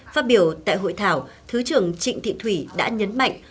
phát biểu tại hội thảo thứ trưởng trịnh thị thủy đã nhấn mạnh